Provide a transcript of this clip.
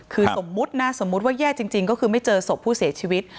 คือสมมุตินะสมมุติว่าแย่จริงก็คือไม่เจอศพผู้เสียชีวิต